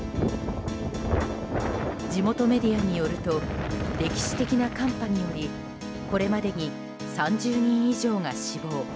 地元メディアによると歴史的な寒波によりこれまでに３０人以上が死亡。